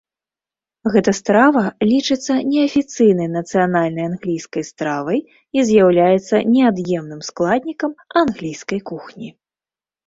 Гэта страва лічыцца неафіцыйнай нацыянальнай англійскай стравай і з'яўляецца неад'емным складнікам англійскай кухні.